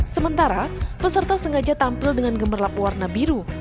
sementara peserta sengaja tampil dengan gemerlap warna biru